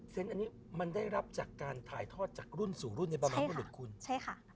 อันนี้มันได้รับจากการถ่ายทอดจากรุ่นสู่รุ่นในบรรพบุรุษคุณใช่ค่ะ